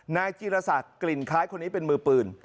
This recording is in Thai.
นายจีรศักดิ์กลิ่นคล้ายคนนี้เป็นมือปืน